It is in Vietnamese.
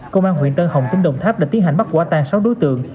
công an huyện tân hồng tỉnh đồng tháp đã tiến hành bắt quả tan sáu đối tượng